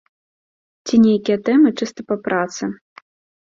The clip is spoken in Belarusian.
Ці нейкія тэмы чыста па працы.